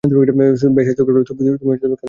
ব্যস এটুকু বলো তুমি কাদের হয়ে কাজ কর?